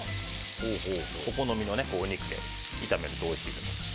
お好みのお肉で炒めるとおいしいです。